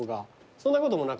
そんなこともなく？